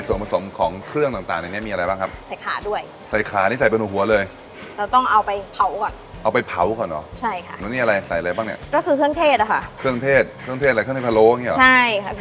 ก็คือเครื่องเทศอะค่ะเครื่องเทศอะไรเครื่องเทศพะโล้อย่างงี้เหรอใช่ค่ะพี่